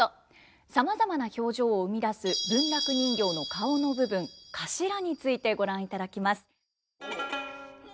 さまざまな表情を生み出す文楽人形の顔の部分「かしら」についてご覧いただきます。